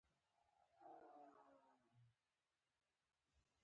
ګېڼ او ګس طرف ته ګوره !